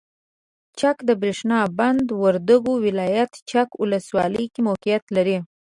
چک دبریښنا بند وردګو ولایت چک ولسوالۍ کې موقعیت لري.